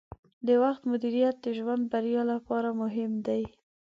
د وخت مدیریت د ژوند بریا لپاره مهم دی.